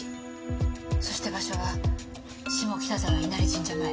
そして場所は下北沢稲荷神社前。